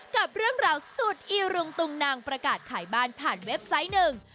กับเรื่องราวสุดอีรุงตุงนังประกาศขายบ้านผ่านเว็บไซต์หนึ่ง